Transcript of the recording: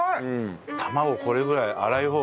卵これぐらい粗い方がいいね。